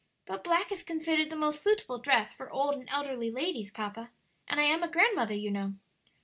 "But black is considered the most suitable dress for old and elderly ladies, papa; and I am a grandmother, you know."